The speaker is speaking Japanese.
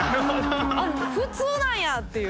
あっ普通なんやっていう。